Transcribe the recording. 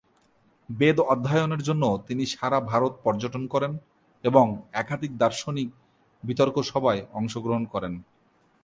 বেদ অধ্যয়নের জন্য তিনি সারা ভারত পর্যটন করেন এবং একাধিক দার্শনিক বিতর্কসভায় অংশগ্রহণ করেন।